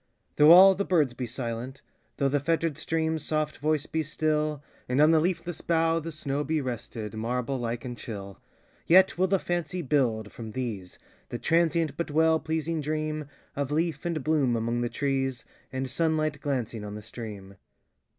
Though all the birds be silent,—thoughThe fettered stream's soft voice be still, And on the leafless bough the snowBe rested, marble like and chill,—Yet will the fancy build, from these, The transient but well pleasing dreamOf leaf and bloom among the trees, And sunlight glancing on the stream.